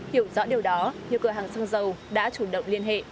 hiểu rõ điều đó nhiều cửa hàng xăng dầu đã chủ động liên hệ